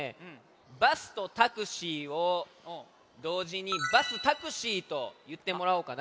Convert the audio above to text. バスとタクシーをどうじに「バスタクシー」といってもらおうかな。